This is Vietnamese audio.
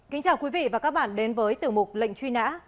kính chào quý vị và các bạn đến với tiểu mục lệnh truy nã